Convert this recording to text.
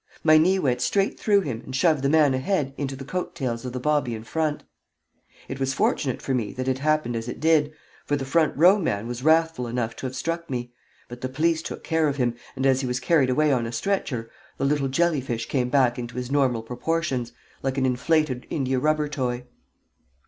My knee went straight through him and shoved the man ahead into the coat tails of the bobbie in front. It was fortunate for me that it happened as it did, for the front row man was wrathful enough to have struck me; but the police took care of him; and as he was carried away on a stretcher, the little jelly fish came back into his normal proportions, like an inflated India rubber toy.